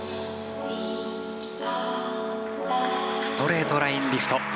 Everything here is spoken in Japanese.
ストレートラインリフト。